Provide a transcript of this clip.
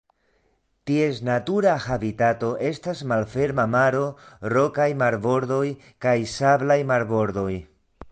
Ties natura habitato estas malferma maro, rokaj marbordoj, kaj sablaj marbordoj.